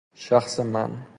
شخص من